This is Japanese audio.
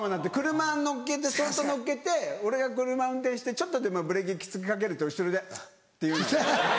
車乗っけてそっと乗っけて俺が車運転してちょっとでもブレーキきつくかけると後ろで「チッ」て言うの。